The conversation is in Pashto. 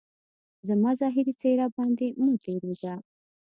زما ظاهري څهره باندي مه تیروځه